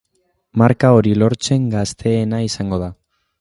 Marka hori lortzen gazteena izango da.